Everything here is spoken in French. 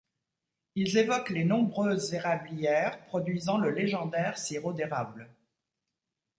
Ils évoquent les nombreuses érablières produisant le légendaire sirop d'érable.